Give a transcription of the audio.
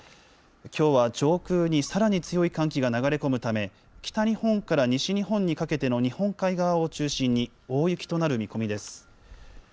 きょうは上空にさらに強い寒気が流れ込むため、北日本から西日本にかけての日本海側を中心に、大雪となる見込みです。